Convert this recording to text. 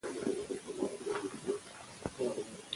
د الله تعالی په حمد ويلو سره بنده ته په جنت کي وَنه ناليږي